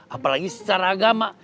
apalagi secara agama